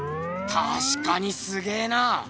たしかにすげえな！